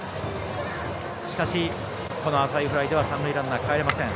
しかし、浅いフライでは三塁ランナーかえれません。